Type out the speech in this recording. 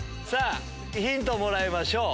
ヒントをもらいましょう。